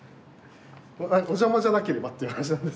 お邪魔じゃなければっていう話なんですけど。